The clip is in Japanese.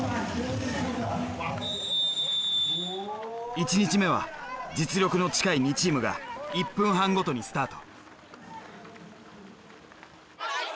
１日目は実力の近い２チームが１分半ごとにスタート。